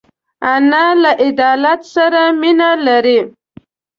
انا له عدالت سره مینه لري